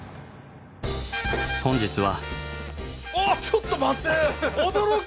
本日は。